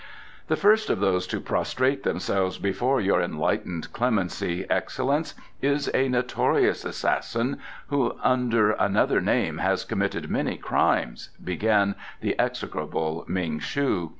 "The first of those to prostrate themselves before your enlightened clemency, Excellence, is a notorious assassin who, under another name, has committed many crimes," began the execrable Ming shu.